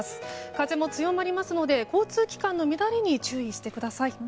風も強まりますので交通機関の乱れに注意してください。